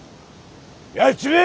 やっちめえ！